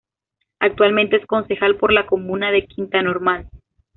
Actualmente es concejal por la comuna de Quinta Normal.